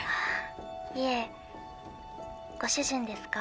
「いえ」「ご主人ですか？」